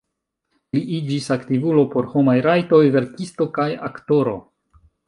Li iĝis aktivulo por homaj rajtoj, verkisto kaj aktoro.